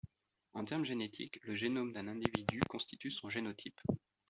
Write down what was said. En termes génétiques, le génome d'un individu constitue son génotype.